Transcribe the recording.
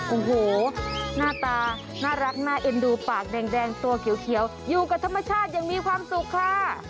โอ้โหหน้าตาน่ารักน่าเอ็นดูปากแดงตัวเขียวอยู่กับธรรมชาติอย่างมีความสุขค่ะ